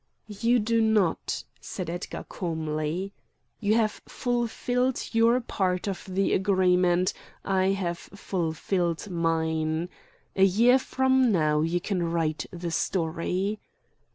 "You do not!" said Edgar calmly. "You have fulfilled your part of the agreement. I have fulfilled mine. A year from now you can write the story."